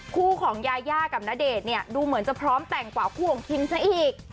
คู่ของยายากับณเดชน์เนี่ยดูเหมือนจะพร้อมแต่งกว่าคู่ของคิมซะอีก